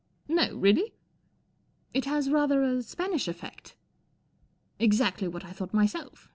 " No, really ?" M It has rather a Spanish effect." " Exactly what I thought myself.